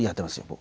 僕。